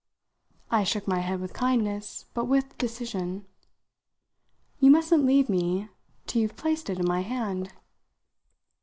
I shook my head with kindness, but with decision. "You mustn't leave me till you've placed it in my hand."